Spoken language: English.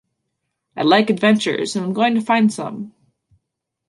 I like adventures, and I'm going to find some.